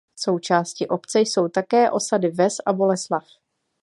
Součástí obce jsou také osady Ves a Boleslav.